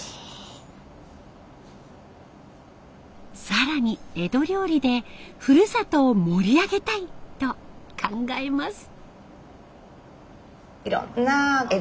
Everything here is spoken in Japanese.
更に江戸料理でふるさとを盛り上げたいと考えます。